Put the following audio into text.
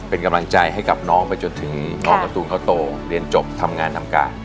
เป็นกำลังใจให้กับน้องไปจนถึงน้องการ์ตูนเขาโตเรียนจบทำงานทำการ